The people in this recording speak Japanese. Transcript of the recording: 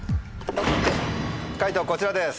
解答こちらです。